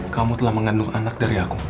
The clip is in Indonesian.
kamu telah mengandung anak dari aku